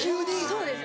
そうです。